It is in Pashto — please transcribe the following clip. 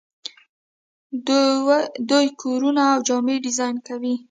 دوی کورونه او جامې ډیزاین کوي.